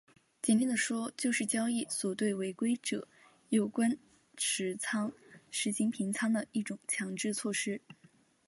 简单地说就是交易所对违规者的有关持仓实行平仓的一种强制措施。